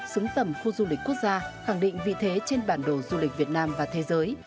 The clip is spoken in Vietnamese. xứng tầm khu du lịch quốc gia khẳng định vị thế trên bản đồ du lịch việt nam và thế giới